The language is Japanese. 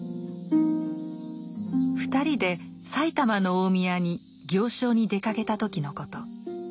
２人で埼玉の大宮に行商に出かけた時のこと。